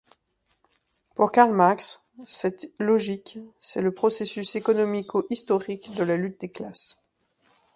Pour Karl Marx, cette logique, c'est le processus économico-historique de la lutte des classes.